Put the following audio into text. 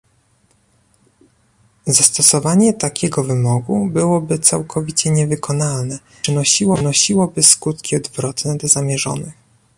Zastosowanie takiego wymogu byłoby całkowicie niewykonalne i przynosiłoby skutki odwrotne do zamierzonych